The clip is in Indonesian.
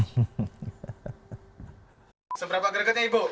seberapa gregetnya ibu